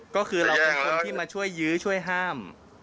ก็คือเราเป็นคนที่มาช่วยยื้อช่วยห้าม